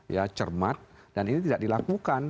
ya cermat dan ini tidak dilakukan